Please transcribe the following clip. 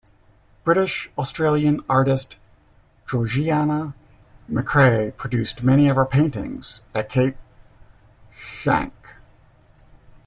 British-Australian artist Georgiana McCrae produced many of her paintings at Cape Schanck.